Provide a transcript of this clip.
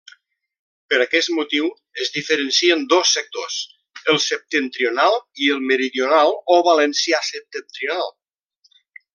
Per aquest motiu, es diferencien dos sectors: el septentrional i el meridional o valencià septentrional.